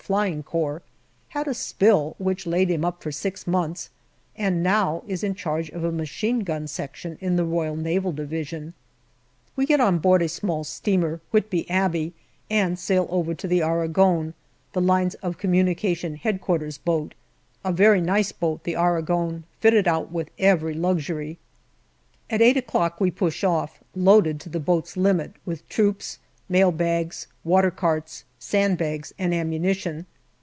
F.C., had a spill which laid him up for six months, and now is in charge of a Machine Gun Section in the R.N.D. We get on board a small steamer, Whitby Abbey, and sail over to the Aragon, the L. of C. Headquarters boat. A very nice boat, the Aragon, fitted out with every luxury. At eight we push off, loaded to the boat's limit with troops, mailbags, watercarts, sand bags, and ammunition.